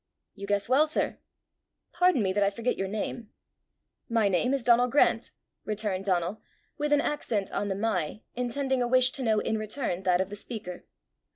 "You guess well, sir." "Pardon me that I forget your name." "My name is Donal Grant," returned Donal, with an accent on the my intending a wish to know in return that of the speaker.